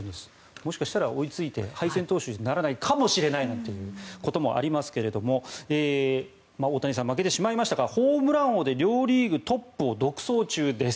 もしかしたら追いついて敗戦投手にならないかもしれないということもありますが大谷さん負けてしまいましたがホームラン王で両リーグトップを独走中です。